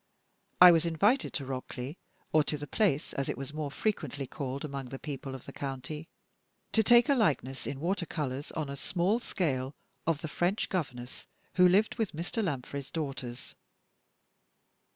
I was invited to Rockleigh or to "The Place," as it was more frequently called among the people of the county to take a likeness in water colors, on a small scale, of the French governess who lived with Mr. Lanfray's daughters.